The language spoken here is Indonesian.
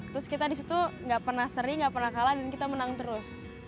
terus kita di situ gak pernah seri gak pernah kalah dan kita menang terus